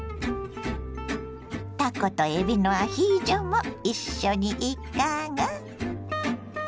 たことえびのアヒージョも一緒にいかが。